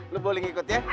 lo boleh ngikutin